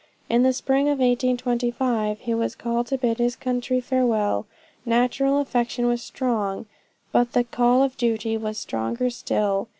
In the spring of 1825 he was called to bid his country farewell. Natural affection was strong, but the call of duty was stronger still.